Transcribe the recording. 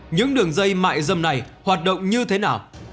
những đường dây mại dâm này hoạt động như thế nào